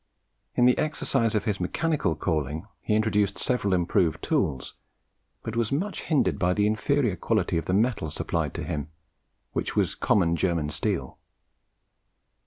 In the exercise of his mechanical calling, he introduced several improved tools, but was much hindered by the inferior quality of the metal supplied to him, which was common German steel.